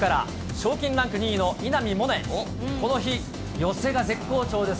賞金ランク２位の稲見萌寧、この日、寄せが絶好調です。